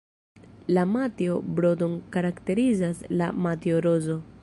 La matjo-brodon karakterizas la "matjo-rozo".